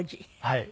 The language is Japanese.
はい。